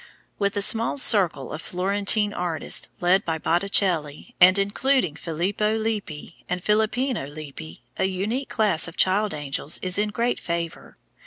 With a small circle of Florentine artists, led by Botticelli, and including Filippo Lippi and Filippino Lippi, a unique class of child angels is in great favor.